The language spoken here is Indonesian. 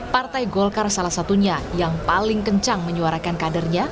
partai golkar salah satunya yang paling kencang menyuarakan kadernya